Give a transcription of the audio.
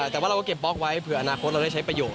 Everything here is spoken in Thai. แต่ว่าเราก็เก็บบล็อกไว้เผื่ออนาคตเราได้ใช้ประโยชน